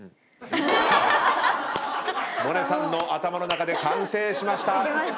萌音さんの頭の中で完成しました！